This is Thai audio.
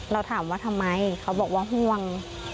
เราถามว่าทำไมเขาบอกว่าห่วง